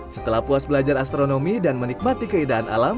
setelah puas belajar astronomi dan menikmati keindahan alam